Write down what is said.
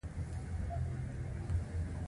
محرومیتونه ناخوالې پاتې وې